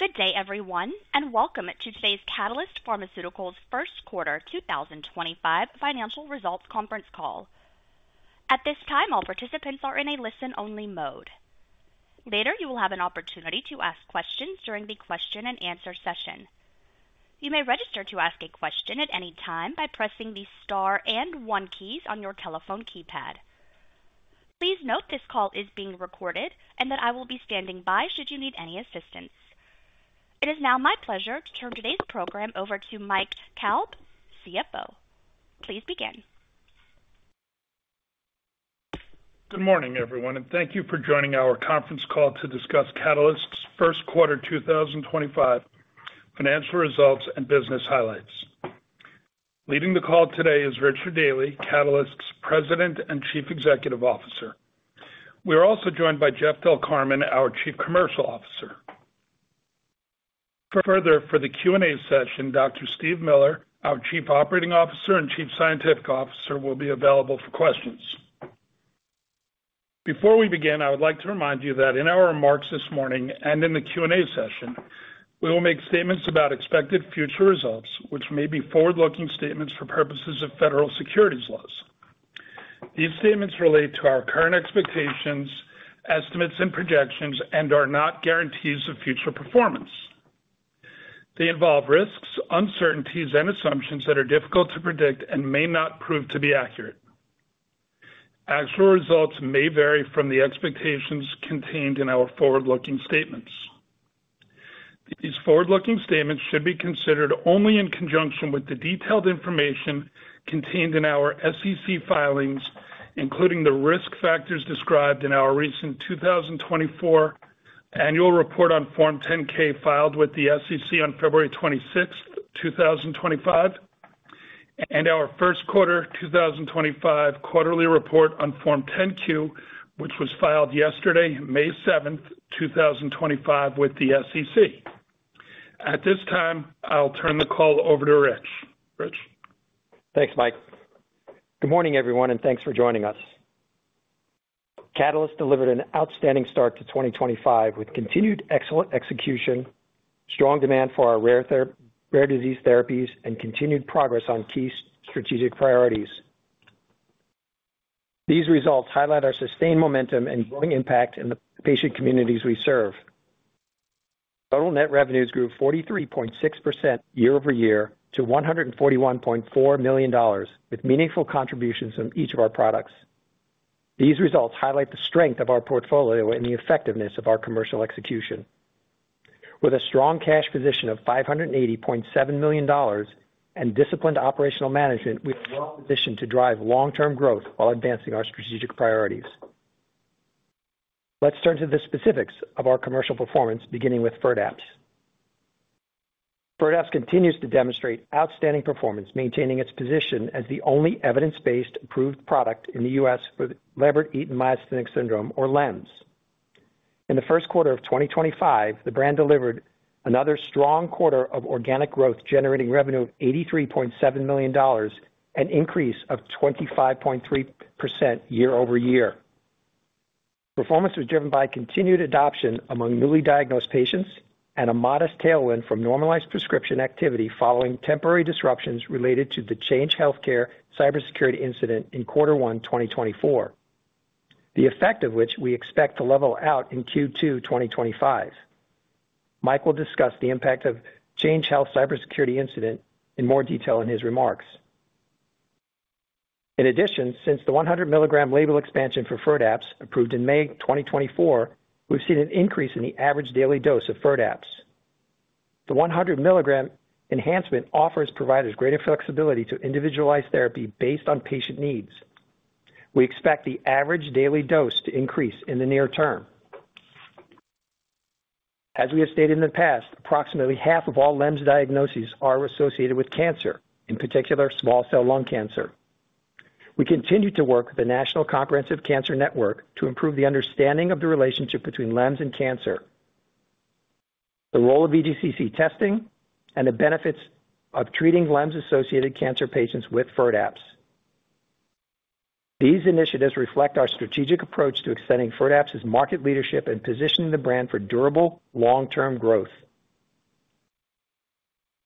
Good day, everyone, and welcome to today's Catalyst Pharmaceuticals' First Quarter 2025 Financial Results Conference call. At this time, all participants are in a listen-only mode. Later, you will have an opportunity to ask questions during the question-and-answer session. You may register to ask a question at any time by pressing the star and one keys on your telephone keypad. Please note this call is being recorded and that I will be standing by should you need any assistance. It is now my pleasure to turn today's program over to Mike Kalb, CFO. Please begin. Good morning, everyone, and thank you for joining our conference call to discuss Catalyst's first quarter 2025 financial results and business highlights. Leading the call today is Richard Daly, Catalyst's President and Chief Executive Officer. We are also joined by Jeff Del Carmen, our Chief Commercial Officer. Further, for the Q&A session, Dr. Steve Miller, our Chief Operating Officer and Chief Scientific Officer, will be available for questions. Before we begin, I would like to remind you that in our remarks this morning and in the Q&A session, we will make statements about expected future results, which may be forward-looking statements for purposes of federal securities laws. These statements relate to our current expectations, estimates, and projections, and are not guarantees of future performance. They involve risks, uncertainties, and assumptions that are difficult to predict and may not prove to be accurate. Actual results may vary from the expectations contained in our forward-looking statements. These forward-looking statements should be considered only in conjunction with the detailed information contained in our SEC filings, including the risk factors described in our recent 2024 Annual Report on Form 10-K filed with the SEC on February 26, 2025, and our First Quarter 2025 Quarterly Report on Form 10-Q, which was filed yesterday, May 7, 2025, with the SEC. At this time, I'll turn the call over to Rich. Thanks, Mike. Good morning, everyone, and thanks for joining us. Catalyst delivered an outstanding start to 2024 with continued excellent execution, strong demand for our rare disease therapies, and continued progress on key strategic priorities. These results highlight our sustained momentum and growing impact in the patient communities we serve. Total net revenues grew 43.6% year over year to $141.4 million, with meaningful contributions from each of our products. These results highlight the strength of our portfolio and the effectiveness of our commercial execution. With a strong cash position of $580.7 million and disciplined operational management, we are well positioned to drive long-term growth while advancing our strategic priorities. Let's turn to the specifics of our commercial performance, beginning with FIRDAPSE. FIRDAPSE continues to demonstrate outstanding performance, maintaining its position as the only evidence-based approved product in the U.S. for Lambert-Eaton Myasthenic Syndrome, or LEMS. In the first quarter of 2025, the brand delivered another strong quarter of organic growth, generating revenue of $83.7 million and an increase of 25.3% year over year. Performance was driven by continued adoption among newly diagnosed patients and a modest tailwind from normalized prescription activity following temporary disruptions related to the Change Healthcare cybersecurity incident in Q1 2024, the effect of which we expect to level out in Q2 2025. Mike will discuss the impact of the Change Healthcare cybersecurity incident in more detail in his remarks. In addition, since the 100-milligram label expansion for FIRDAPSE approved in May 2024, we've seen an increase in the average daily dose of FIRDAPSE. The 100-milligram enhancement offers providers greater flexibility to individualize therapy based on patient needs. We expect the average daily dose to increase in the near term. As we have stated in the past, approximately half of all LEMS diagnoses are associated with cancer, in particular small cell lung cancer. We continue to work with the National Comprehensive Cancer Network to improve the understanding of the relationship between LEMS and cancer, the role of VGCC testing, and the benefits of treating LEMS-associated cancer patients with FIRDAPSE. These initiatives reflect our strategic approach to extending FIRDAPSE's market leadership and positioning the brand for durable long-term growth.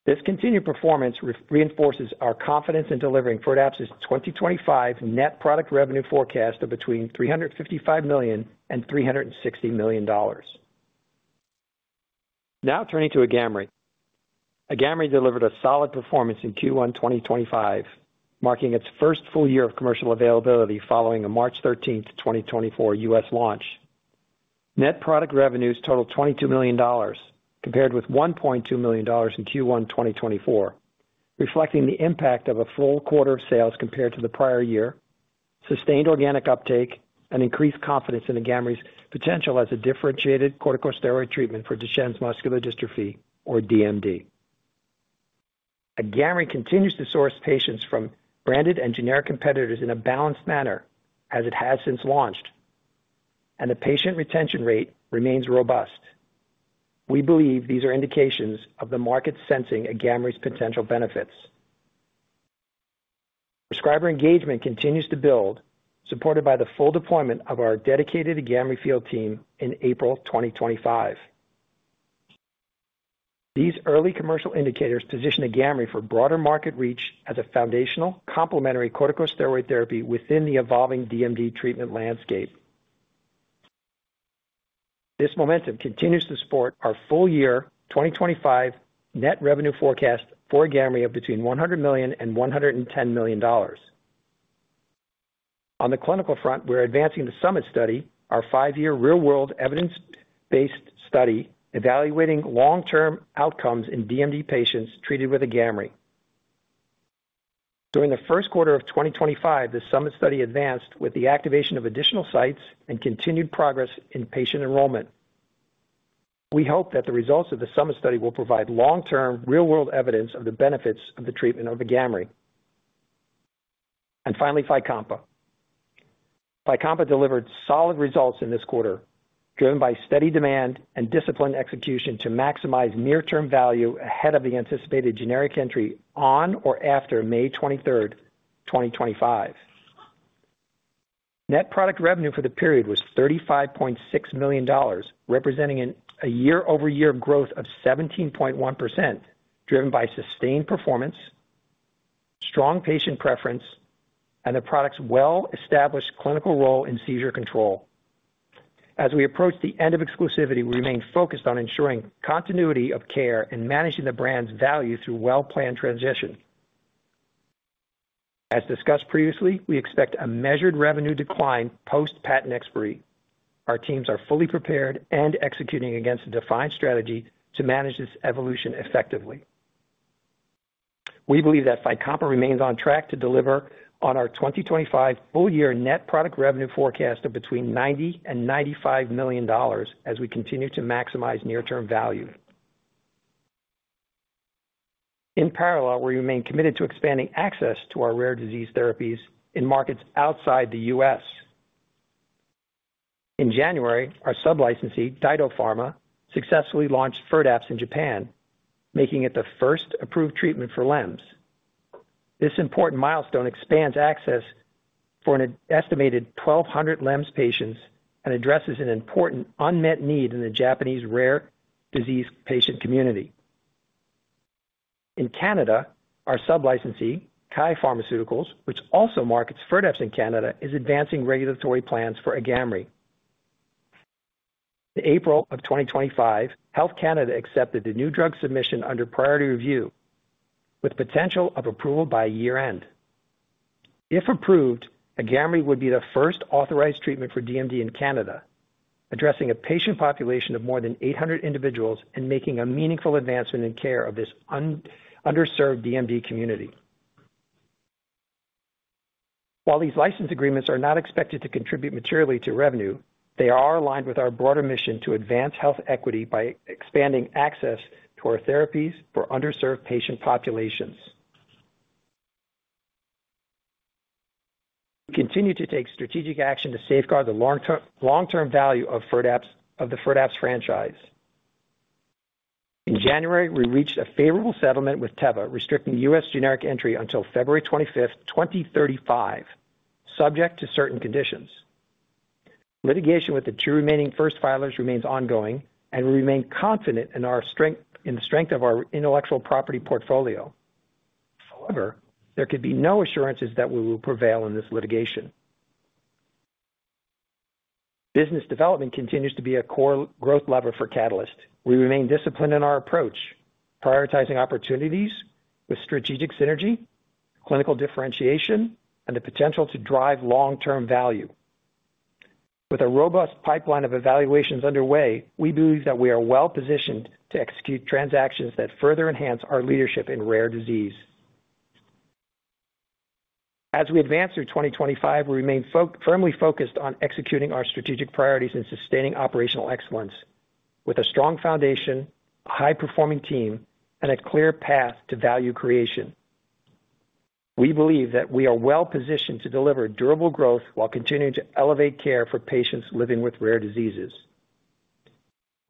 This continued performance reinforces our confidence in delivering FIRDAPSE's 2025 net product revenue forecast of between $355 million and $360 million. Now turning to AGAMREE. AGAMREE delivered a solid performance in Q1 2025, marking its first full year of commercial availability following a March 13, 2024, U.S. launch. Net product revenues totaled $22 million, compared with $1.2 million in Q1 2024, reflecting the impact of a full quarter of sales compared to the prior year, sustained organic uptake, and increased confidence in AGAMREE's potential as a differentiated corticosteroid treatment for Duchenne muscular dystrophy, or DMD. AGAMREE continues to source patients from branded and generic competitors in a balanced manner, as it has since launched, and the patient retention rate remains robust. We believe these are indications of the market sensing AGAMREE's potential benefits. Prescriber engagement continues to build, supported by the full deployment of our dedicated AGAMREE field team in April 2025. These early commercial indicators position AGAMREE for broader market reach as a foundational complementary corticosteroid therapy within the evolving DMD treatment landscape. This momentum continues to support our full year 2025 net revenue forecast for AGAMREE of between $100 million and $110 million. On the clinical front, we're advancing the SUMMIT study, our five-year real-world evidence-based study evaluating long-term outcomes in DMD patients treated with AGAMREE. During the first quarter of 2025, the SUMMIT study advanced with the activation of additional sites and continued progress in patient enrollment. We hope that the results of the SUMMIT study will provide long-term real-world evidence of the benefits of the treatment of AGAMREE. Finally, FYCOMPA. FYCOMPA delivered solid results in this quarter, driven by steady demand and disciplined execution to maximize near-term value ahead of the anticipated generic entry on or after May 23, 2025. Net product revenue for the period was $35.6 million, representing a year-over-year growth of 17.1%, driven by sustained performance, strong patient preference, and the product's well-established clinical role in seizure control. As we approach the end of exclusivity, we remain focused on ensuring continuity of care and managing the brand's value through well-planned transition. As discussed previously, we expect a measured revenue decline post-patent expiry. Our teams are fully prepared and executing against a defined strategy to manage this evolution effectively. We believe that FYCOMPA remains on track to deliver on our 2025 full-year net product revenue forecast of between $90 million and $95 million as we continue to maximize near-term value. In parallel, we remain committed to expanding access to our rare disease therapies in markets outside the U.S. In January, our sub-licensee, Daito Pharma, successfully launched FIRDAPSE in Japan, making it the first approved treatment for LEMS. This important milestone expands access for an estimated 1,200 LEMS patients and addresses an important unmet need in the Japanese rare disease patient community. In Canada, our sub-licensee, KAI Pharmaceuticals, which also markets FIRDAPSE in Canada, is advancing regulatory plans for AGAMREE. In April of 2025, Health Canada accepted the new drug submission under priority review, with potential of approval by year-end. If approved, AGAMREE would be the first authorized treatment for DMD in Canada, addressing a patient population of more than 800 individuals and making a meaningful advancement in care of this underserved DMD community. While these license agreements are not expected to contribute materially to revenue, they are aligned with our broader mission to advance health equity by expanding access to our therapies for underserved patient populations. We continue to take strategic action to safeguard the long-term value of the FIRDAPSE franchise. In January, we reached a favorable settlement with Teva, restricting U.S. generic entry until February 25, 2035, subject to certain conditions. Litigation with the two remaining first filers remains ongoing, and we remain confident in the strength of our intellectual property portfolio. However, there could be no assurances that we will prevail in this litigation. Business development continues to be a core growth lever for Catalyst. We remain disciplined in our approach, prioritizing opportunities with strategic synergy, clinical differentiation, and the potential to drive long-term value. With a robust pipeline of evaluations underway, we believe that we are well positioned to execute transactions that further enhance our leadership in rare disease. As we advance through 2025, we remain firmly focused on executing our strategic priorities and sustaining operational excellence, with a strong foundation, a high-performing team, and a clear path to value creation. We believe that we are well positioned to deliver durable growth while continuing to elevate care for patients living with rare diseases.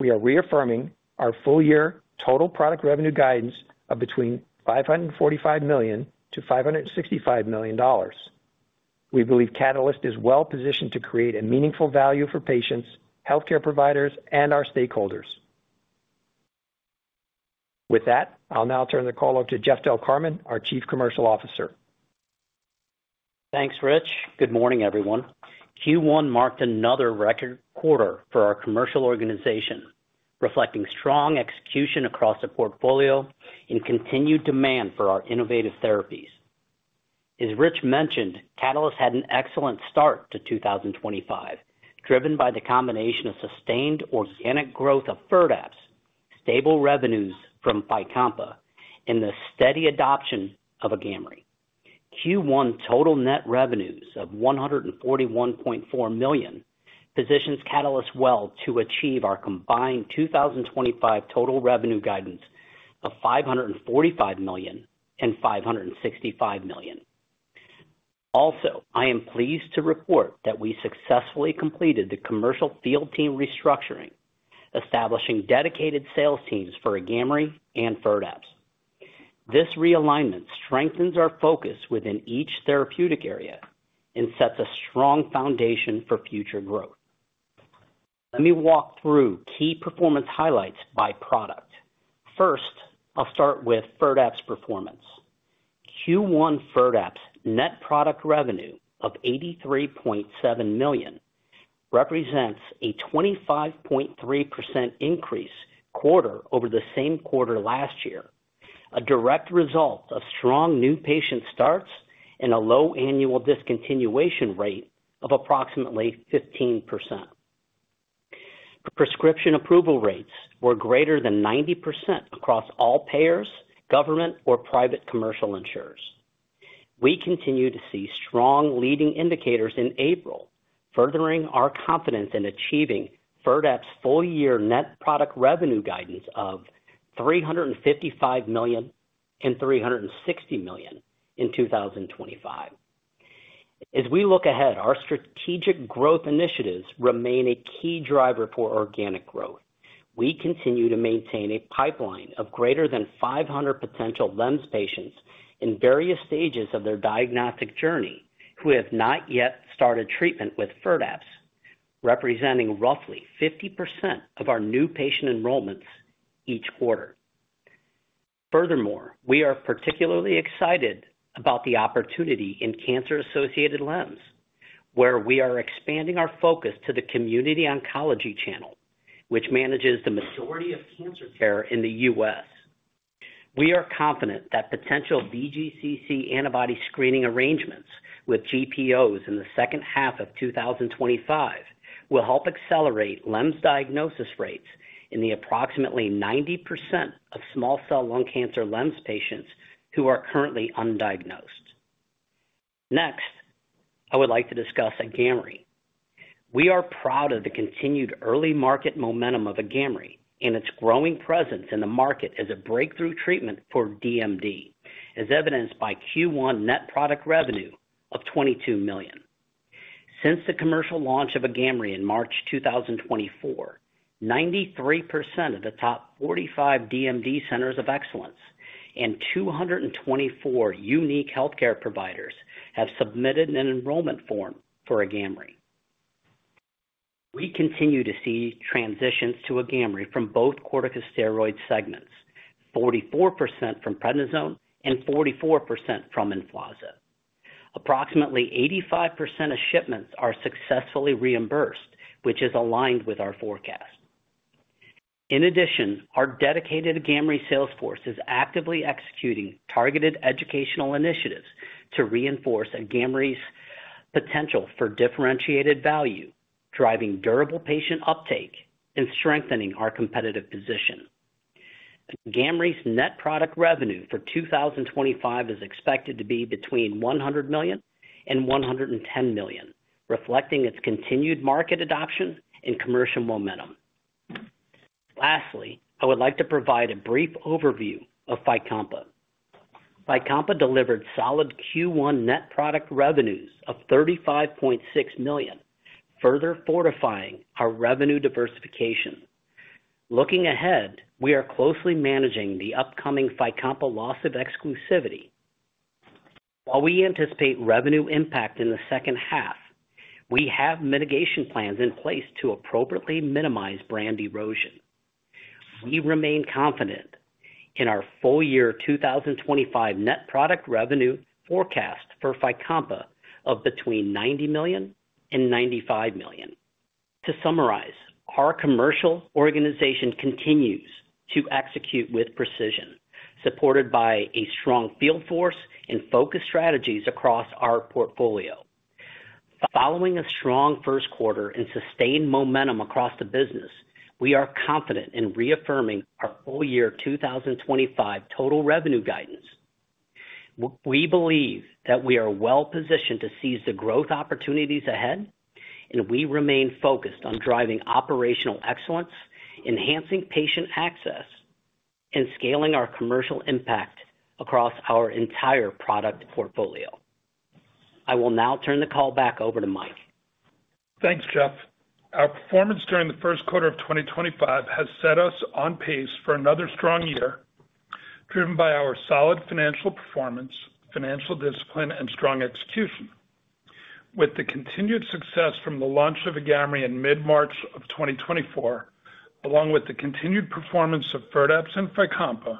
We are reaffirming our full-year total product revenue guidance of between $545 million-$565 million. We believe Catalyst is well positioned to create meaningful value for patients, healthcare providers, and our stakeholders. With that, I'll now turn the call over to Jeff Del Carmen, our Chief Commercial Officer. Thanks, Rich. Good morning, everyone. Q1 marked another record quarter for our commercial organization, reflecting strong execution across the portfolio and continued demand for our innovative therapies. As Rich mentioned, Catalyst had an excellent start to 2024, driven by the combination of sustained organic growth of FIRDAPSE, stable revenues from FYCOMPA, and the steady adoption of AGAMREE. Q1 total net revenues of $141.4 million position Catalyst well to achieve our combined 2024 total revenue guidance of $545 million-$565 million. Also, I am pleased to report that we successfully completed the commercial field team restructuring, establishing dedicated sales teams for AGAMREE and FIRDAPSE. This realignment strengthens our focus within each therapeutic area and sets a strong foundation for future growth. Let me walk through key performance highlights by product. First, I'll start with FIRDAPSE performance. Q1 FIRDAPSE net product revenue of $83.7 million represents a 25.3% increase quarter over the same quarter last year, a direct result of strong new patient starts and a low annual discontinuation rate of approximately 15%. Prescription approval rates were greater than 90% across all payers, government, or private commercial insurers. We continue to see strong leading indicators in April, furthering our confidence in achieving FIRDAPSE full-year net product revenue guidance of $355 million-$360 million in 2025. As we look ahead, our strategic growth initiatives remain a key driver for organic growth. We continue to maintain a pipeline of greater than 500 potential LEMS patients in various stages of their diagnostic journey who have not yet started treatment with FIRDAPSE, representing roughly 50% of our new patient enrollments each quarter. Furthermore, we are particularly excited about the opportunity in cancer-associated LEMS, where we are expanding our focus to the Community Oncology Channel, which manages the majority of cancer care in the U.S. We are confident that potential VGCC antibody screening arrangements with GPOs in the second half of 2025 will help accelerate LEMS diagnosis rates in the approximately 90% of small cell lung cancer LEMS patients who are currently undiagnosed. Next, I would like to discuss AGAMREE. We are proud of the continued early market momentum of AGAMREE and its growing presence in the market as a breakthrough treatment for DMD, as evidenced by Q1 net product revenue of $22 million. Since the commercial launch of AGAMREE in March 2024, 93% of the top 45 DMD centers of excellence and 224 unique healthcare providers have submitted an enrollment form for AGAMREE. We continue to see transitions to AGAMREE from both corticosteroid segments, 44% from prednisone and 44% from EMFLAZA. Approximately 85% of shipments are successfully reimbursed, which is aligned with our forecast. In addition, our dedicated AGAMREE salesforce is actively executing targeted educational initiatives to reinforce AGAMREE's potential for differentiated value, driving durable patient uptake, and strengthening our competitive position. AGAMREE's net product revenue for 2025 is expected to be between $100 million and $110 million, reflecting its continued market adoption and commercial momentum. Lastly, I would like to provide a brief overview of FYCOMPA. FYCOMPA delivered solid Q1 net product revenues of $35.6 million, further fortifying our revenue diversification. Looking ahead, we are closely managing the upcoming FYCOMPA loss of exclusivity. While we anticipate revenue impact in the second half, we have mitigation plans in place to appropriately minimize brand erosion. We remain confident in our full-year 2025 net product revenue forecast for FYCOMPA of between $90 million and $95 million. To summarize, our commercial organization continues to execute with precision, supported by a strong field force and focused strategies across our portfolio. Following a strong first quarter and sustained momentum across the business, we are confident in reaffirming our full-year 2025 total revenue guidance. We believe that we are well positioned to seize the growth opportunities ahead, and we remain focused on driving operational excellence, enhancing patient access, and scaling our commercial impact across our entire product portfolio. I will now turn the call back over to Mike. Thanks, Jeff. Our performance during the first quarter of 2025 has set us on pace for another strong year, driven by our solid financial performance, financial discipline, and strong execution. With the continued success from the launch of AGAMREE in mid-March of 2024, along with the continued performance of FIRDAPSE and FYCOMPA,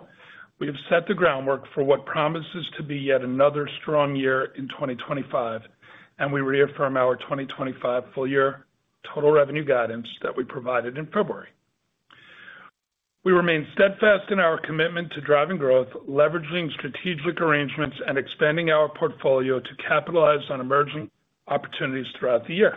we have set the groundwork for what promises to be yet another strong year in 2025, and we reaffirm our 2025 full-year total revenue guidance that we provided in February. We remain steadfast in our commitment to driving growth, leveraging strategic arrangements, and expanding our portfolio to capitalize on emerging opportunities throughout the year.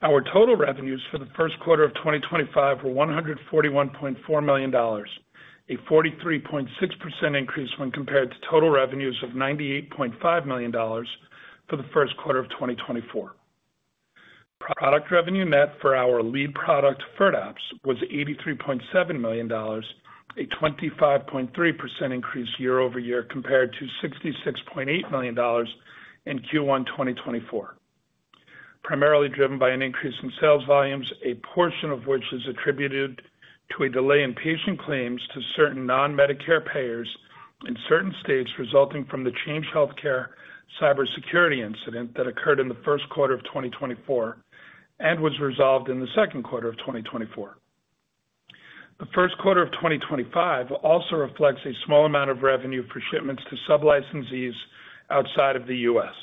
Our total revenues for the first quarter of 2025 were $141.4 million, a 43.6% increase when compared to total revenues of $98.5 million for the first quarter of 2024. Product revenue net for our lead product, FIRDAPSE, was $83.7 million, a 25.3% increase year-over-year compared to $66.8 million in Q1 2024, primarily driven by an increase in sales volumes, a portion of which is attributed to a delay in patient claims to certain non-Medicare payers in certain states resulting from the Change Healthcare cybersecurity incident that occurred in the first quarter of 2024 and was resolved in the second quarter of 2024. The first quarter of 2025 also reflects a small amount of revenue for shipments to sub-licensees outside of the U.S.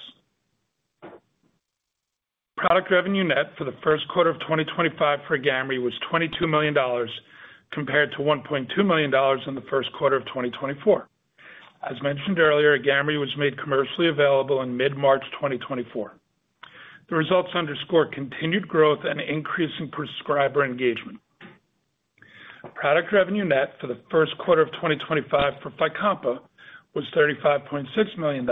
Product revenue net for the first quarter of 2025 for AGAMREE was $22 million compared to $1.2 million in the first quarter of 2024. As mentioned earlier, AGAMREE was made commercially available in mid-March 2024. The results underscore continued growth and increasing prescriber engagement. Product revenue net for the first quarter of 2025 for FYCOMPA was $35.6 million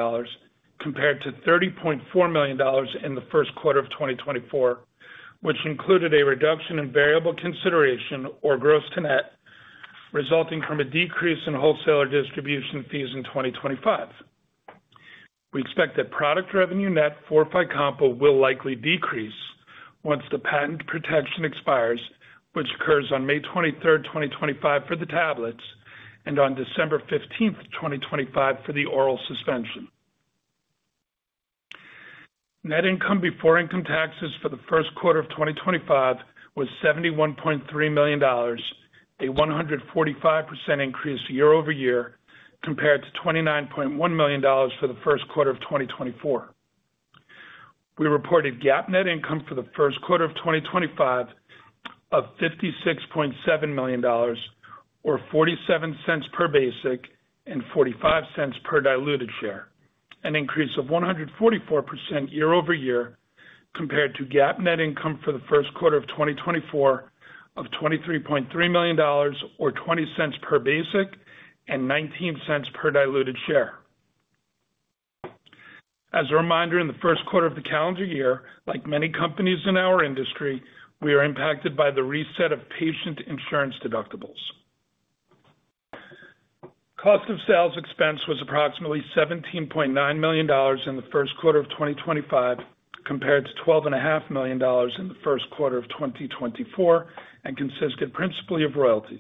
compared to $30.4 million in the first quarter of 2024, which included a reduction in variable consideration or gross to net, resulting from a decrease in wholesaler distribution fees in 2025. We expect that product revenue net for FYCOMPA will likely decrease once the patent protection expires, which occurs on May 23, 2025, for the tablets, and on December 15, 2025, for the oral suspension. Net income before income taxes for the first quarter of 2025 was $71.3 million, a 145% increase year-over-year compared to $29.1 million for the first quarter of 2024. We reported GAAP net income for the first quarter of 2025 of $56.7 million, or $0.47 per basic and $0.45 per diluted share, an increase of 144% year-over-year compared to GAAP net income for the first quarter of 2024 of $23.3 million, or $0.20 per basic and $0.19 per diluted share. As a reminder, in the first quarter of the calendar year, like many companies in our industry, we are impacted by the reset of patient insurance deductibles. Cost of sales expense was approximately $17.9 million in the first quarter of 2025 compared to $12.5 million in the first quarter of 2024 and consisted principally of royalties.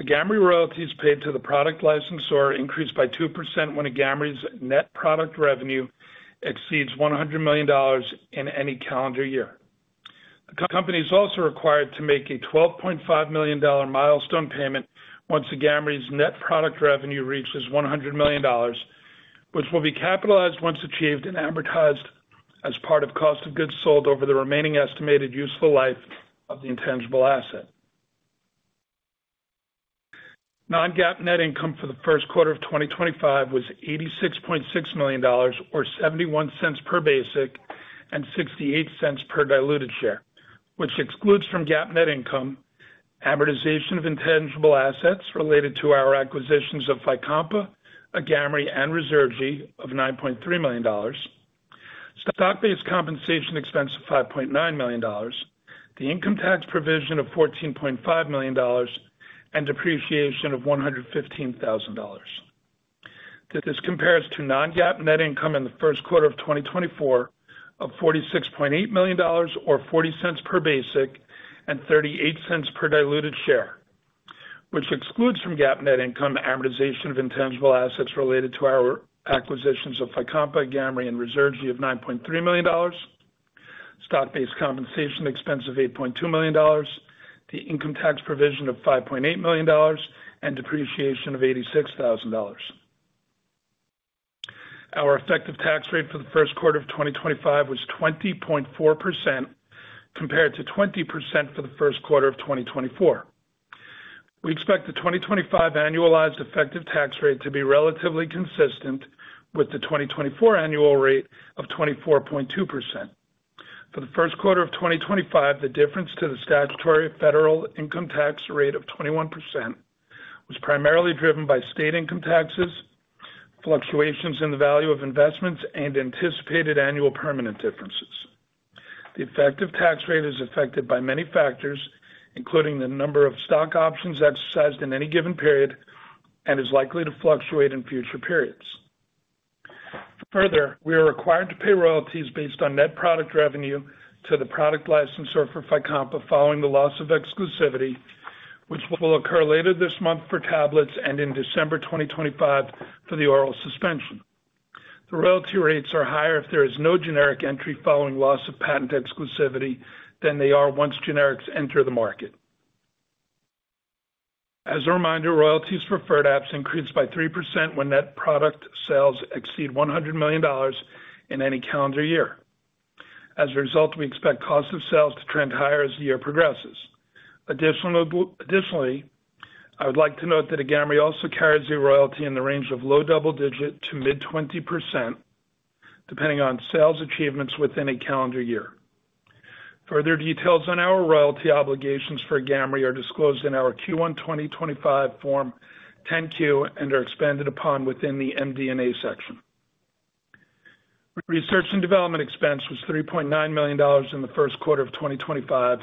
AGAMREE royalties paid to the product licensor increased by 2% when AGAMREE's net product revenue exceeds $100 million in any calendar year. The company is also required to make a $12.5 million milestone payment once AGAMREE's net product revenue reaches $100 million, which will be capitalized once achieved and amortized as part of cost of goods sold over the remaining estimated useful life of the intangible asset. Non-GAAP net income for the first quarter of 2025 was $86.6 million, or $0.71 per basic and $0.68 per diluted share, which excludes from GAAP net income amortization of intangible assets related to our acquisitions of FYCOMPA, AGAMREE, and Ruzurgi of $9.3 million, stock-based compensation expense of $5.9 million, the income tax provision of $14.5 million, and depreciation of $115,000. This compares to non-GAAP net income in the first quarter of 2024 of $46.8 million, or $0.40 per basic and $0.38 per diluted share, which excludes from GAAP net income amortization of intangible assets related to our acquisitions of FYCOMPA, AGAMREE, and Ruzurgi of $9.3 million, stock-based compensation expense of $8.2 million, the income tax provision of $5.8 million, and depreciation of $86,000. Our effective tax rate for the first quarter of 2025 was 20.4% compared to 20% for the first quarter of 2024. We expect the 2025 annualized effective tax rate to be relatively consistent with the 2024 annual rate of 24.2%. For the first quarter of 2025, the difference to the statutory federal income tax rate of 21% was primarily driven by state income taxes, fluctuations in the value of investments, and anticipated annual permanent differences. The effective tax rate is affected by many factors, including the number of stock options exercised in any given period and is likely to fluctuate in future periods. Further, we are required to pay royalties based on net product revenue to the product licensor for FYCOMPA following the loss of exclusivity, which will occur later this month for tablets and in December 2025 for the oral suspension. The royalty rates are higher if there is no generic entry following loss of patent exclusivity than they are once generics enter the market. As a reminder, royalties for FIRDAPSE increase by 3% when net product sales exceed $100 million in any calendar year. As a result, we expect cost of sales to trend higher as the year progresses. Additionally, I would like to note that AGAMREE also carries a royalty in the range of low double-digit to mid-20%, depending on sales achievements within a calendar year. Further details on our royalty obligations for AGAMREE are disclosed in our Q1 2025 Form 10-Q and are expanded upon within the MD&A section. Research and development expense was $3.9 million in the first quarter of 2025,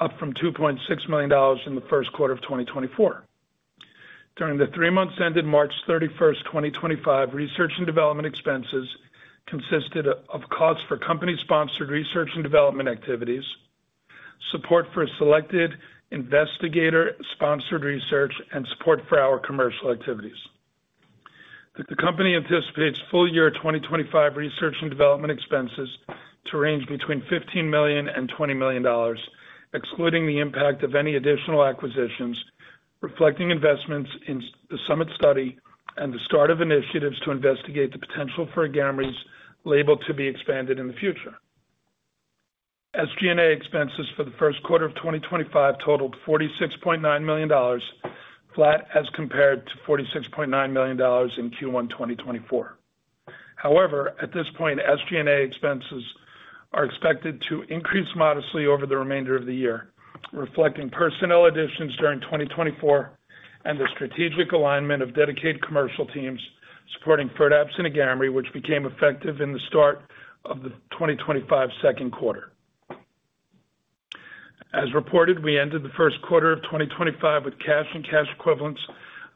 up from $2.6 million in the first quarter of 2024. During the three months ended March 31, 2025, research and development expenses consisted of costs for company-sponsored research and development activities, support for selected investigator-sponsored research, and support for our commercial activities. The company anticipates full-year 2025 research and development expenses to range between $15 million and $20 million, excluding the impact of any additional acquisitions, reflecting investments in the SUMMIT Study and the start of initiatives to investigate the potential for AGAMREE's label to be expanded in the future. SG&A expenses for the first quarter of 2025 totaled $46.9 million, flat as compared to $46.9 million in Q1 2024. However, at this point, SG&A expenses are expected to increase modestly over the remainder of the year, reflecting personnel additions during 2024 and the strategic alignment of dedicated commercial teams supporting FIRDAPSE and AGAMREE, which became effective in the start of the 2025 second quarter. As reported, we ended the first quarter of 2025 with cash and cash equivalents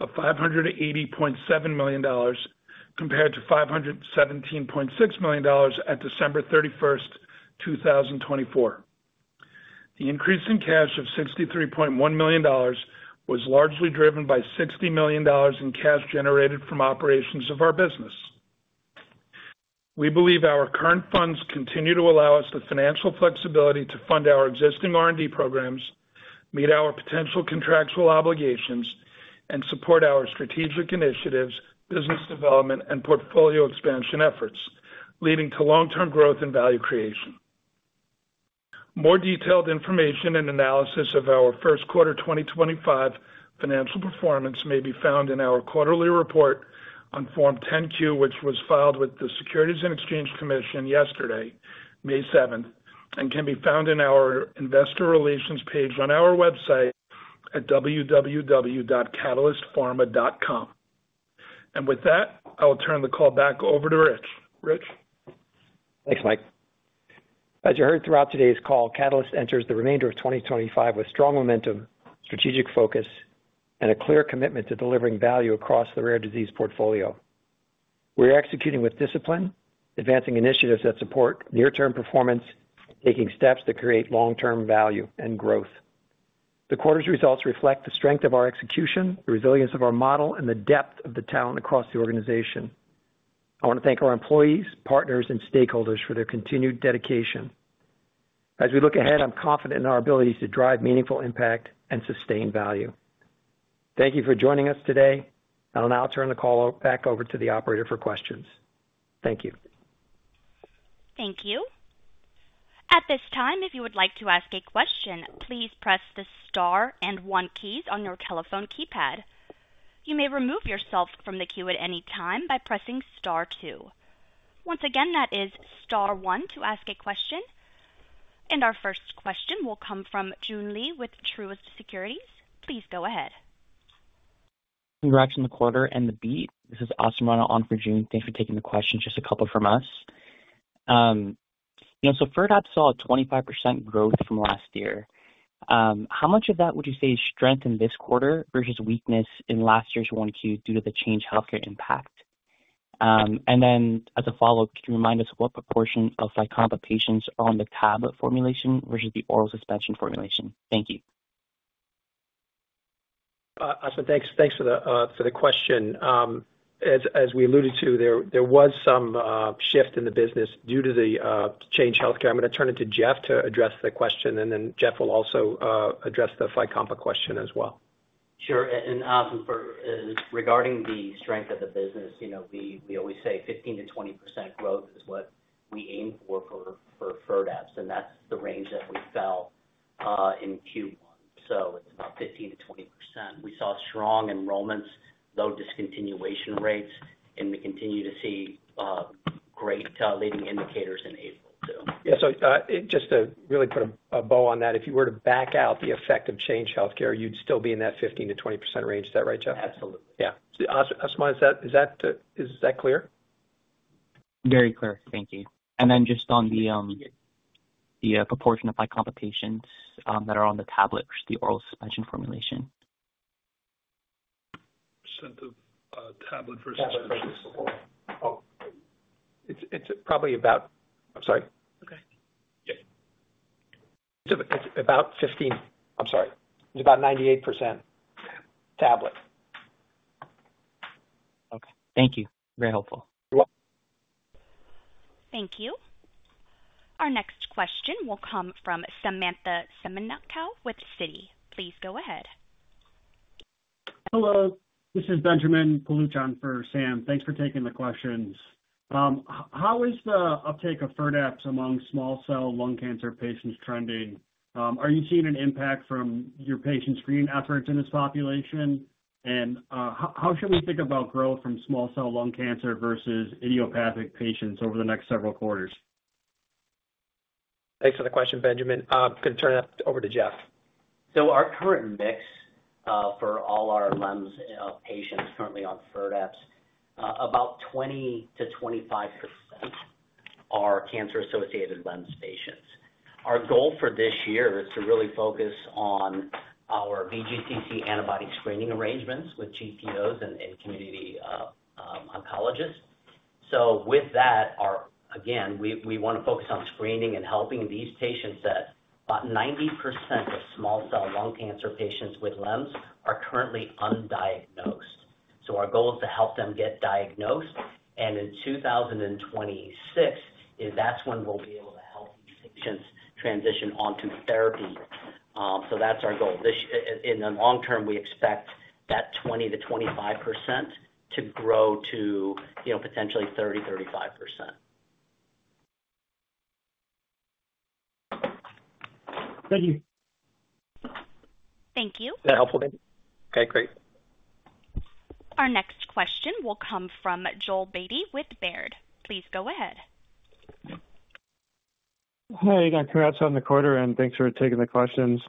of $580.7 million compared to $517.6 million at December 31, 2024. The increase in cash of $63.1 million was largely driven by $60 million in cash generated from operations of our business. We believe our current funds continue to allow us the financial flexibility to fund our existing R&D programs, meet our potential contractual obligations, and support our strategic initiatives, business development, and portfolio expansion efforts, leading to long-term growth and value creation. More detailed information and analysis of our first quarter 2025 financial performance may be found in our quarterly report on Form 10Q, which was filed with the Securities and Exchange Commission yesterday, May 7, and can be found in our investor relations page on our website at www.catalystpharma.com. With that, I will turn the call back over to Rich. Rich? Thanks, Mike. As you heard throughout today's call, Catalyst enters the remainder of 2025 with strong momentum, strategic focus, and a clear commitment to delivering value across the rare disease portfolio. We are executing with discipline, advancing initiatives that support near-term performance, and taking steps to create long-term value and growth. The quarter's results reflect the strength of our execution, the resilience of our model, and the depth of the talent across the organization. I want to thank our employees, partners, and stakeholders for their continued dedication. As we look ahead, I'm confident in our ability to drive meaningful impact and sustain value. Thank you for joining us today. I'll now turn the call back over to the operator for questions. Thank you. Thank you. At this time, if you would like to ask a question, please press the star and one keys on your telephone keypad. You may remove yourself from the queue at any time by pressing star two. Once again, that is star one to ask a question. Our first question will come from Joon Lee with Truist Securities. Please go ahead. Congratulations on the quarter and the beat. This is Austin Rana on for Joon. Thanks for taking the question. Just a couple from us. So FIRDAPSE saw a 25% growth from last year. How much of that would you say is strength in this quarter versus weakness in last year's Q1 due to the Change Healthcare impact? As a follow-up, could you remind us what proportion of FYCOMPA patients are on the tablet formulation versus the oral suspension formulation? Thank you. Austin, thanks for the question. As we alluded to, there was some shift in the business due to the Change Healthcare. I'm going to turn it to Jeff to address the question, and then Jeff will also address the FYCOMPA question as well. Sure. Austin, regarding the strength of the business, we always say 15%-20% growth is what we aim for for FIRDAPSE, and that's the range that we fell in Q1. It's about 15%-20%. We saw strong enrollments, low discontinuation rates, and we continue to see great leading indicators in April too. Yeah. So just to really put a bow on that, if you were to back out the effect of Change Healthcare, you'd still be in that 15%-20% range. Is that right, Jeff? Absolutely. Yeah. Austin, is that clear? Very clear. Thank you. And then just on the proportion of FYCOMPA patients that are on the tablet versus the oral suspension formulation. Percent of tablet versus tablet versus oral? It's probably about—I'm sorry. Okay. It's about 15%. I'm sorry. It's about 98% tablet. Okay. Thank you. Very helpful. Thank you. Our next question will come from Samantha Semenkow with Citi. Please go ahead. Hello. This is Benjamin Peluchan for Sam. Thanks for taking the questions. How is the uptake of FIRDAPSE among small cell lung cancer patients trending? Are you seeing an impact from your patient screen efforts in this population? How should we think about growth from small cell lung cancer versus idiopathic patients over the next several quarters? Thanks for the question, Benjamin. I'm going to turn it over to Jeff. Our current mix for all our LEMS patients currently on FIRDAPSE, about 20%-25% are cancer-associated LEMS patients. Our goal for this year is to really focus on our VGCC antibody screening arrangements with GPOs and community oncologists. With that, again, we want to focus on screening and helping these patients, that about 90% of small cell lung cancer patients with LEMS are currently undiagnosed. Our goal is to help them get diagnosed. In 2026, that's when we'll be able to help these patients transition onto therapy. That's our goal. In the long term, we expect that 20%-25% to grow to potentially 30%-35%. Thank you. Thank you. Is that helpful, Ben? Okay. Great. Our next question will come from Joel Beatty with Baird. Please go ahead. Hey. Congrats on the quarter, and thanks for taking the questions.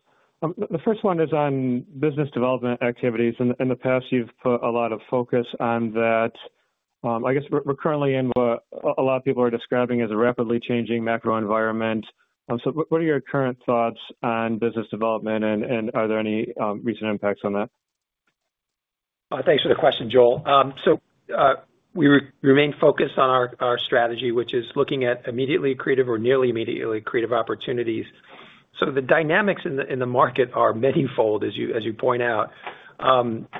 The first one is on business development activities. In the past, you've put a lot of focus on that. I guess we're currently in what a lot of people are describing as a rapidly changing macro environment. What are your current thoughts on business development, and are there any recent impacts on that? Thanks for the question, Joel. We remain focused on our strategy, which is looking at immediately accretive or nearly immediately accretive opportunities. The dynamics in the market are many-fold, as you point out.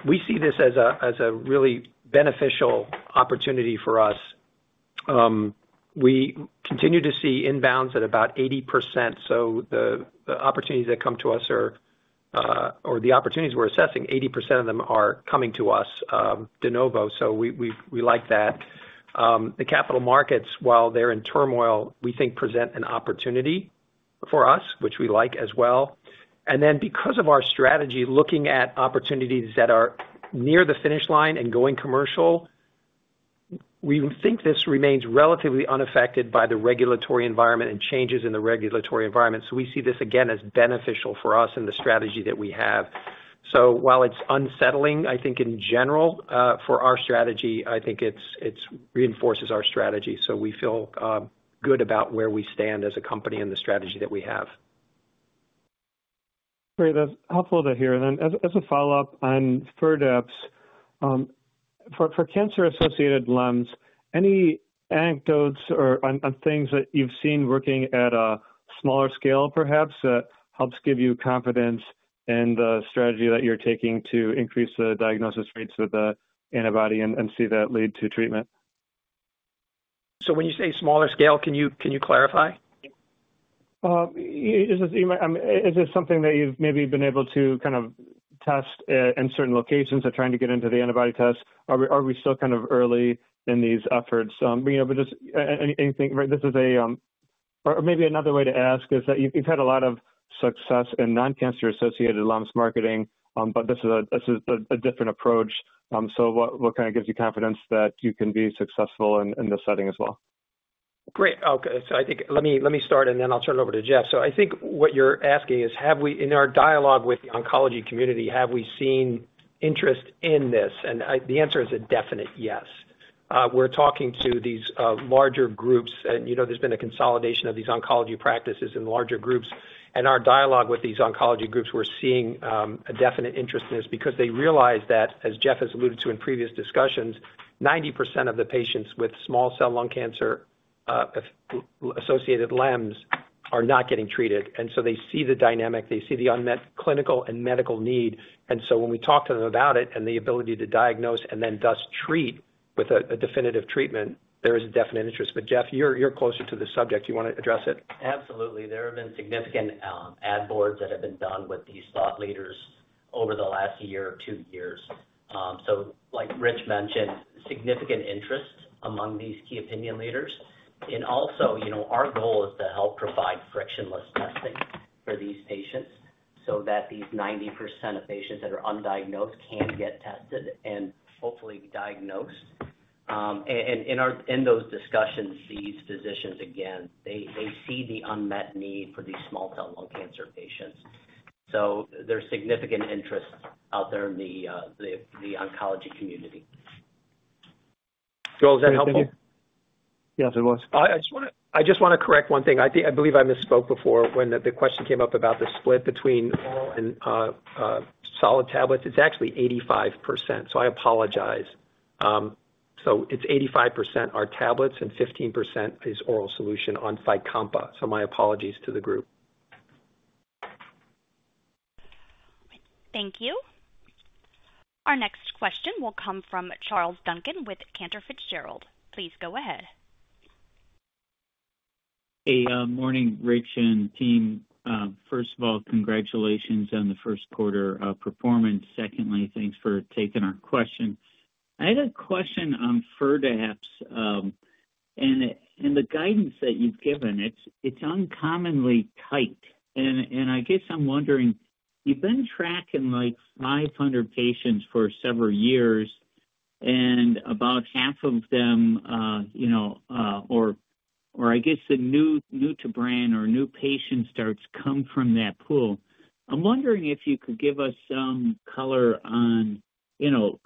We see this as a really beneficial opportunity for us. We continue to see inbounds at about 80%. The opportunities that come to us are—or the opportunities we are assessing, 80% of them are coming to us de novo. We like that. The capital markets, while they are in turmoil, we think present an opportunity for us, which we like as well. Because of our strategy looking at opportunities that are near the finish line and going commercial, we think this remains relatively unaffected by the regulatory environment and changes in the regulatory environment. We see this again as beneficial for us and the strategy that we have. While it's unsettling, I think in general for our strategy, I think it reinforces our strategy. We feel good about where we stand as a company and the strategy that we have. Great. That's helpful to hear. As a follow-up on FIRDAPSE, for cancer-associated lungs, any anecdotes or things that you've seen working at a smaller scale, perhaps, that helps give you confidence in the strategy that you're taking to increase the diagnosis rates of the antibody and see that lead to treatment? When you say smaller scale, can you clarify? Is this something that you've maybe been able to kind of test in certain locations or trying to get into the antibody test? Are we still kind of early in these efforts? Anything—or maybe another way to ask is that you've had a lot of success in non-cancer-associated lungs marketing, this is a different approach. What kind of gives you confidence that you can be successful in this setting as well? Great. Okay. I think let me start, and then I'll turn it over to Jeff. I think what you're asking is, in our dialogue with the oncology community, have we seen interest in this? The answer is a definite yes. We're talking to these larger groups, and there's been a consolidation of these oncology practices in larger groups. In our dialogue with these oncology groups, we're seeing a definite interest in this because they realize that, as Jeff has alluded to in previous discussions, 90% of the patients with small cell lung cancer-associated LEMS are not getting treated. They see the dynamic. They see the unmet clinical and medical need. When we talk to them about it and the ability to diagnose and then thus treat with a definitive treatment, there is a definite interest. Jeff, you're closer to the subject. Do you want to address it? Absolutely. There have been significant ad boards that have been done with these thought leaders over the last year or two years. Like Rich mentioned, significant interest among these key opinion leaders. Also, our goal is to help provide frictionless testing for these patients so that these 90% of patients that are undiagnosed can get tested and hopefully diagnosed. In those discussions, these physicians, again, they see the unmet need for these small cell lung cancer patients. There is significant interest out there in the oncology community. Joel, is that helpful? Yes, it was. I just want to correct one thing. I believe I misspoke before when the question came up about the split between oral and solid tablets. It's actually 85%. I apologize. It's 85% are tablets and 15% is oral solution on FYCOMPA. My apologies to the group. Thank you. Our next question will come from Charles Duncan with Cantor Fitzgerald. Please go ahead. Hey. Morning, Rich and team. First of all, congratulations on the first quarter performance. Secondly, thanks for taking our question. I had a question on FIRDAPSE and the guidance that you've given. It's uncommonly tight. I guess I'm wondering, you've been tracking like 500 patients for several years, and about half of them—or I guess the new-to-brand or new patient starts come from that pool—I'm wondering if you could give us some color on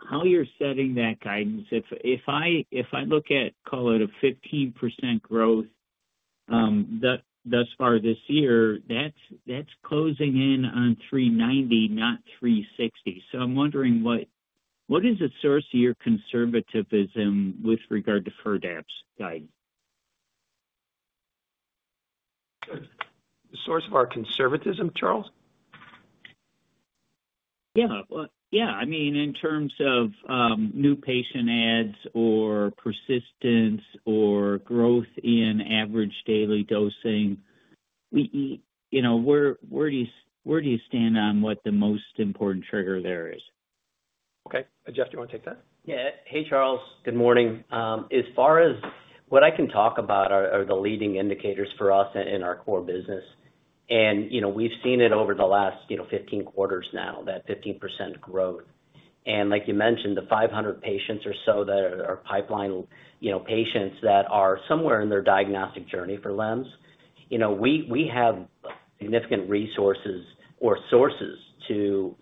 how you're setting that guidance. If I look at, call it, a 15% growth thus far this year, that's closing in on 390, not 360. I'm wondering, what is the source of your conservatism with regard to FIRDAPSE guidance? The source of our conservatism, Charles? Yeah. Yeah. I mean, in terms of new patient adds or persistence or growth in average daily dosing, where do you stand on what the most important trigger there is? Okay. Jeff, do you want to take that? Yeah. Hey, Charles. Good morning. As far as what I can talk about are the leading indicators for us in our core business. We've seen it over the last 15 quarters now, that 15% growth. Like you mentioned, the 500 patients or so that are our pipeline patients that are somewhere in their diagnostic journey for LEMS, we have significant resources or sources to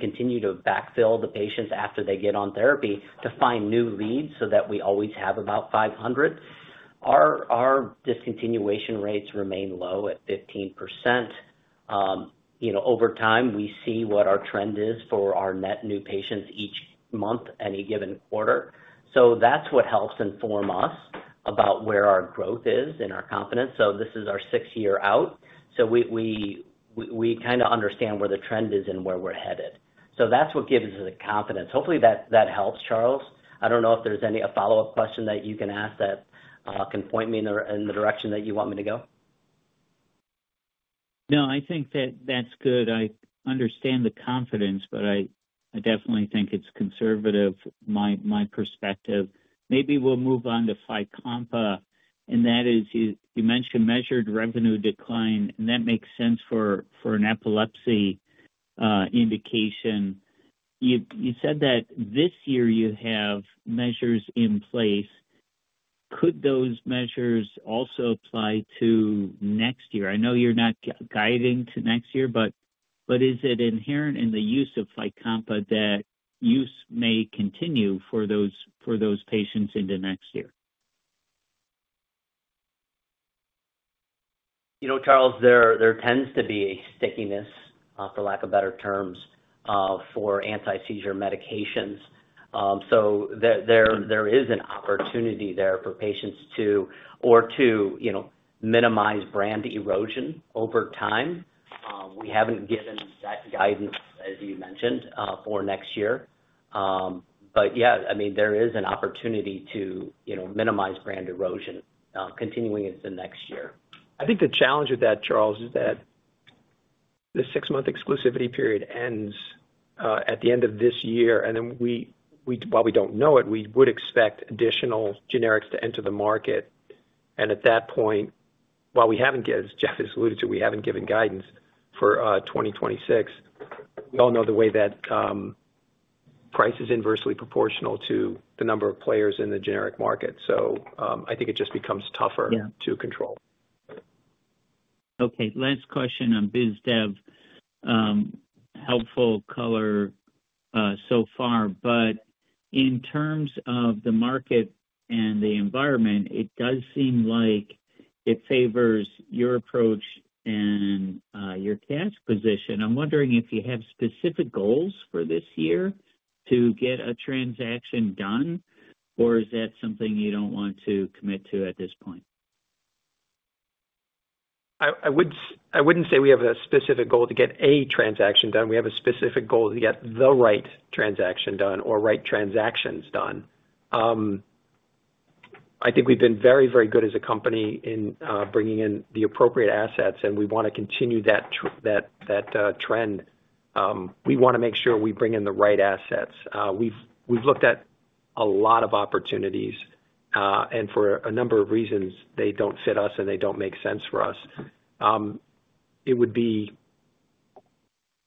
continue to backfill the patients after they get on therapy to find new leads so that we always have about 500. Our discontinuation rates remain low at 15%. Over time, we see what our trend is for our net new patients each month, any given quarter. That is what helps inform us about where our growth is and our confidence. This is our sixth year out. We kind of understand where the trend is and where we're headed. That is what gives us the confidence. Hopefully, that helps, Charles. I do not know if there is any follow-up question that you can ask that can point me in the direction that you want me to go. No, I think that that's good. I understand the confidence, but I definitely think it's conservative, my perspective. Maybe we'll move on to FYCOMPA. That is, you mentioned measured revenue decline, and that makes sense for an epilepsy indication. You said that this year you have measures in place. Could those measures also apply to next year? I know you're not guiding to next year, but is it inherent in the use of FYCOMPA that use may continue for those patients into next year? You know, Charles, there tends to be a stickiness, for lack of better terms, for anti-seizure medications. So there is an opportunity there for patients to—or to minimize brand erosion over time. We haven't given that guidance, as you mentioned, for next year. But yeah, I mean, there is an opportunity to minimize brand erosion continuing into next year. I think the challenge with that, Charles, is that the six-month exclusivity period ends at the end of this year. While we do not know it, we would expect additional generics to enter the market. At that point, while we have not given—as Jeff has alluded to—we have not given guidance for 2026, we all know the way that price is inversely proportional to the number of players in the generic market. I think it just becomes tougher to control. Okay. Last question on BizDev. Helpful color so far. In terms of the market and the environment, it does seem like it favors your approach and your task position. I'm wondering if you have specific goals for this year to get a transaction done, or is that something you don't want to commit to at this point? I would not say we have a specific goal to get a transaction done. We have a specific goal to get the right transaction done or right transactions done. I think we have been very, very good as a company in bringing in the appropriate assets, and we want to continue that trend. We want to make sure we bring in the right assets. We have looked at a lot of opportunities, and for a number of reasons, they do not fit us and they do not make sense for us. It would be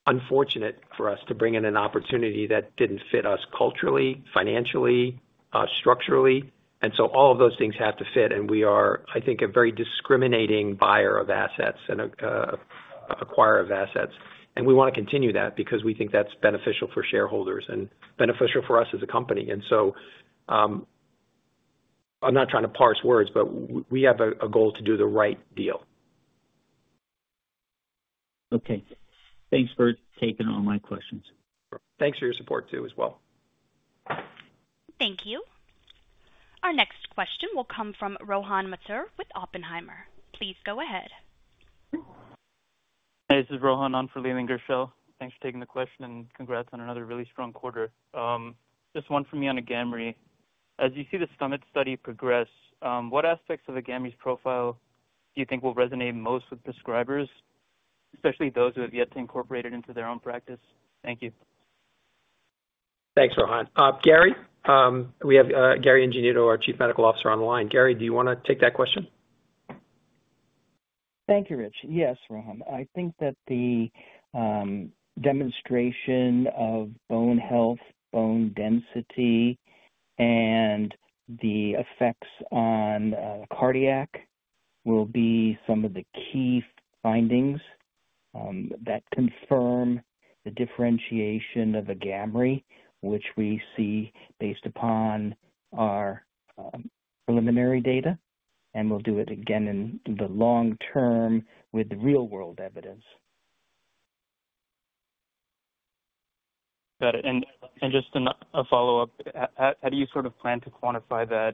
unfortunate for us to bring in an opportunity that did not fit us culturally, financially, structurally. All of those things have to fit. We are, I think, a very discriminating buyer of assets and acquirer of assets. We want to continue that because we think that is beneficial for shareholders and beneficial for us as a company. I'm not trying to parse words, but we have a goal to do the right deal. Okay. Thanks for taking all my questions. Thanks for your support too, as well. Thank you. Our next question will come from Rohan Mathur with Oppenheimer. Please go ahead. Hey, this is Rohan on for Lee. Thanks for taking the question and congrats on another really strong quarter. Just one from me on AGAMREE. As you see the SUMMIT study progress, what aspects of AGAMREE's profile do you think will resonate most with prescribers, especially those who have yet to incorporate it into their own practice? Thank you. Thanks, Rohan. Gary, we have Gary Ingenito, our Chief Medical Officer on the line. Gary, do you want to take that question? Thank you, Rich. Yes, Rohan. I think that the demonstration of bone health, bone density, and the effects on cardiac will be some of the key findings that confirm the differentiation of AGAMREE, which we see based upon our preliminary data. We will do it again in the long term with real-world evidence. Got it. Just a follow-up, how do you sort of plan to quantify that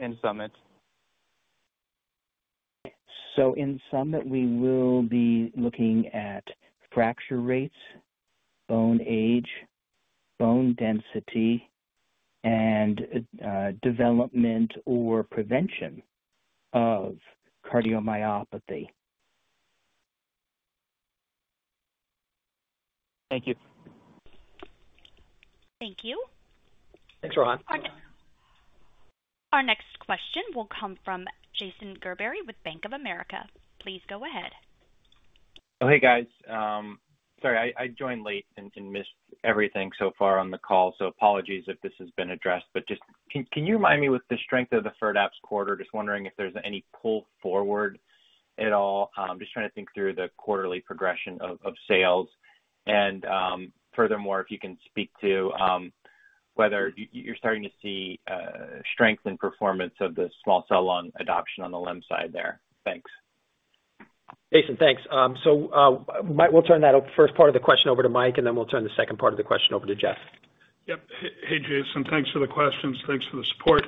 in SUMMIT? In SUMMIT, we will be looking at fracture rates, bone age, bone density, and development or prevention of cardiomyopathy. Thank you. Thank you. Thanks, Rohan. Our next question will come from Jason Gerberry with Bank of America. Please go ahead. Oh, hey, guys. Sorry, I joined late and missed everything so far on the call. Apologies if this has been addressed. Can you remind me with the strength of the FIRDAPSE quarter? Just wondering if there's any pull forward at all. Just trying to think through the quarterly progression of sales. Furthermore, if you can speak to whether you're starting to see strength in performance of the small cell lung adoption on the LEMS side there. Thanks. Jason, thanks. We'll turn that first part of the question over to Mike, and then we'll turn the second part of the question over to Jeff. Yep. Hey, Jason. Thanks for the questions. Thanks for the support.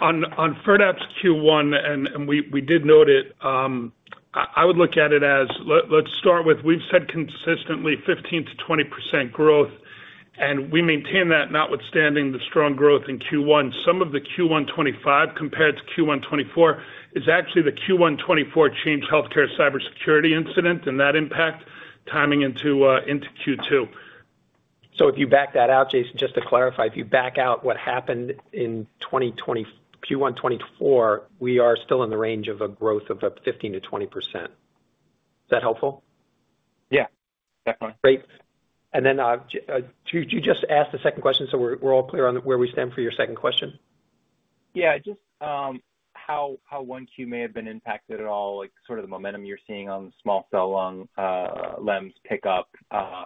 On FIRDAPSE Q1, and we did note it, I would look at it as let's start with we've said consistently 15%-20% growth, and we maintain that notwithstanding the strong growth in Q1. Some of the Q1 2025 compared to Q1 2024 is actually the Q1 2024 Change Healthcare cybersecurity incident and that impact timing into Q2. If you back that out, Jason, just to clarify, if you back out what happened in Q1 2024, we are still in the range of a growth of 15%-20%. Is that helpful? Yeah. Definitely. Great. Did you just ask the second question? We are all clear on where we stand for your second question? Yeah. Just how 1Q may have been impacted at all, sort of the momentum you're seeing on small-cell lung LEMS pick up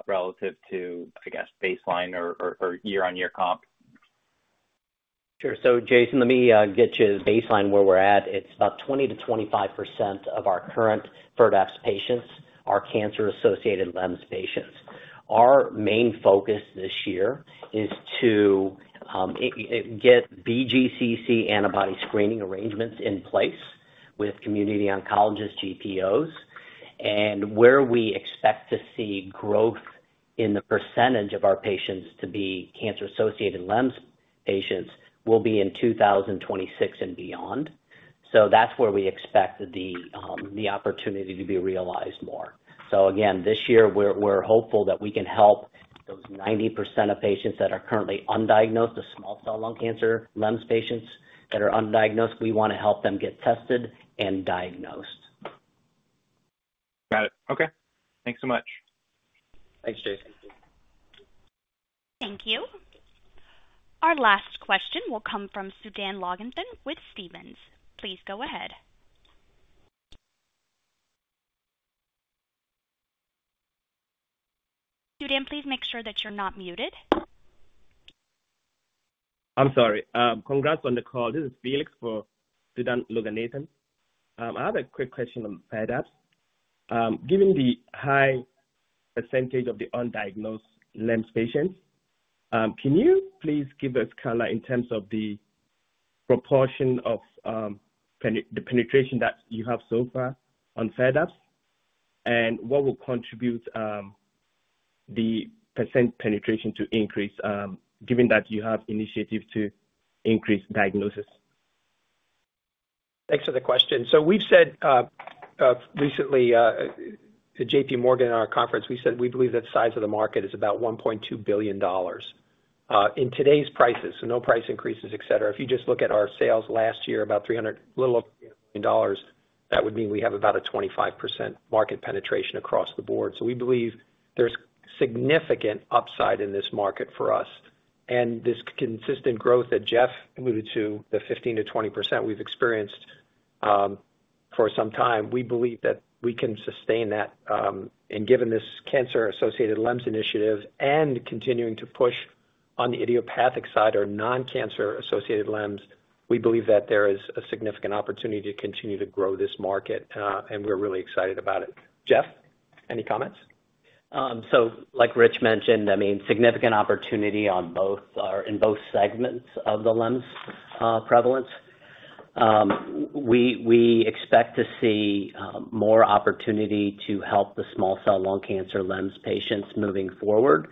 relative to, I guess, baseline or year-on-year comp. Sure. Jason, let me get you the baseline where we're at. It's about 20-25% of our current FIRDAPSE patients are cancer-associated LEMS patients. Our main focus this year is to get VGCC antibody screening arrangements in place with community oncologists, GPOs. Where we expect to see growth in the percentage of our patients to be cancer-associated LEMS patients will be in 2026 and beyond. That's where we expect the opportunity to be realized more. Again, this year, we're hopeful that we can help those 90% of patients that are currently undiagnosed, the small cell lung cancer LEMS patients that are undiagnosed. We want to help them get tested and diagnosed. Got it. Okay. Thanks so much. Thanks, Jason. Thank you. Our last question will come from Sudan Logan with Stevens. Please go ahead. Sudan, please make sure that you're not muted. I'm sorry. Congrats on the call. This is Felix for Sudan Logan. I have a quick question on FIRDAPSE. Given the high percentage of the undiagnosed LEMS patients, can you please give us color in terms of the proportion of the penetration that you have so far on FIRDAPSE? What will contribute the percent penetration to increase, given that you have initiative to increase diagnosis? Thanks for the question. We have said recently at JPMorgan on our conference, we said we believe that size of the market is about $1.2 billion in today's prices, so no price increases, etc. If you just look at our sales last year, about $300 million, that would mean we have about a 25% market penetration across the board. We believe there is significant upside in this market for us. This consistent growth that Jeff alluded to, the 15%-20% we have experienced for some time, we believe that we can sustain that. Given this cancer-associated LEMS initiative and continuing to push on the idiopathic side or non-cancer-associated LEMS, we believe that there is a significant opportunity to continue to grow this market, and we are really excited about it. Jeff, any comments? Like Rich mentioned, I mean, significant opportunity in both segments of the LEMS prevalence. We expect to see more opportunity to help the small cell lung cancer LEMS patients moving forward.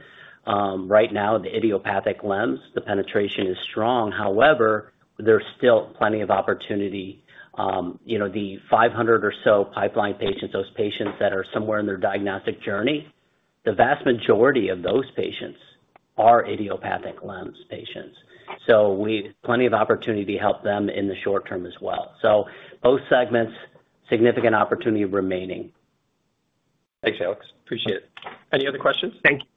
Right now, the idiopathic LEMS, the penetration is strong. However, there is still plenty of opportunity. The 500 or so pipeline patients, those patients that are somewhere in their diagnostic journey, the vast majority of those patients are idiopathic LEMS patients. So plenty of opportunity to help them in the short term as well. Both segments, significant opportunity remaining. Thanks, Alex. Appreciate it. Any other questions? Thank you.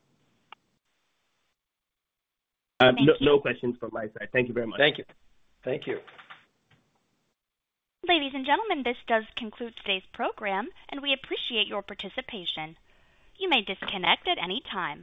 No questions from my side. Thank you very much. Thank you. Thank you. Ladies and gentlemen, this does conclude today's program, and we appreciate your participation. You may disconnect at any time.